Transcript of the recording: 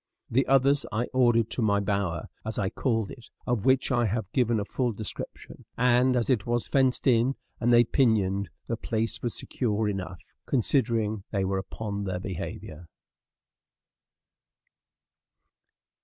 The others I ordered to my bower, as I called it, of which I have given a full description; and as it was fenced in, and they pinioned, the place was secure enough, considering they were upon their behavior.